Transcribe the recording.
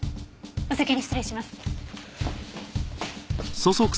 お先に失礼します。